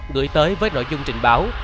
gửi tới với nội dung trình báo